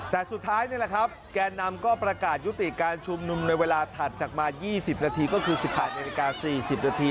แต่สุดท้ายนี่แหละครับแกนนำก็ประกาศยุติการชุมนุมในเวลาถัดจากมา๒๐นาทีก็คือ๑๘นาฬิกา๔๐นาที